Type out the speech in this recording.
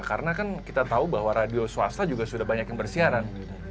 karena kan kita tahu bahwa radio swasta juga sudah banyak yang bersiaran